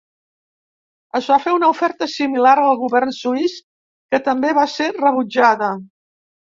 Es va fer una oferta similar al govern suís que també va ser rebutjada.